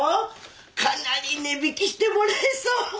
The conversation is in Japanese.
かなり値引きしてもらえそう。